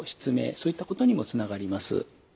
そういったことにもつながります。